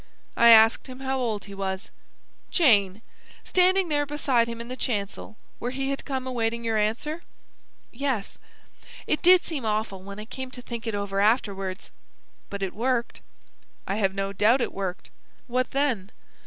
"I asked him how old he was." "Jane! Standing there beside him in the chancel, where he had come awaiting your answer?" "Yes. It did seem awful when I came to think it over afterwards. But it worked." "I have no doubt it worked. What then?"